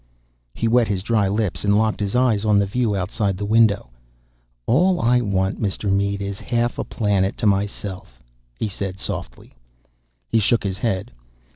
He wet his dry lips and locked his eyes on the view outside the window. "All I want, Mr. Mead, is half a planet to myself," he said softly. He shook his head.